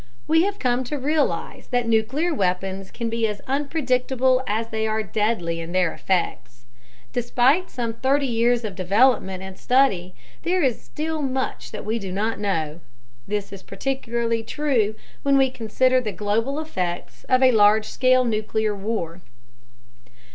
We have come to realize that nuclear weapons can be as unpredictable as they are deadly in their effects. Despite some 30 years of development and study, there is still much that we do not know. This is particularly true when we consider the global effects of a large scale nuclear war.